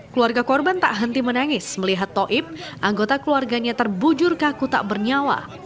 keluarga korban tak henti menangis melihat toib anggota keluarganya terbujur kaku tak bernyawa